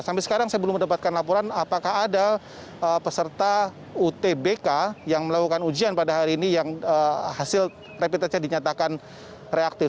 sampai sekarang saya belum mendapatkan laporan apakah ada peserta utbk yang melakukan ujian pada hari ini yang hasil rapid testnya dinyatakan reaktif